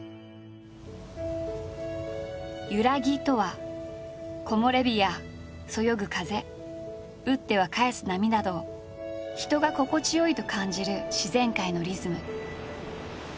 「ゆらぎ」とは木漏れ日やそよぐ風打っては返す波など人が心地よいと感じる自然界のリズム。